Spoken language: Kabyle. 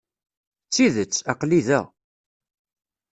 D tidet, aql-i da.